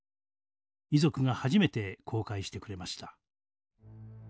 遺族が初めて公開してくれました。